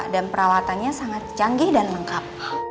dan peralatannya sangat canggih dan lengkap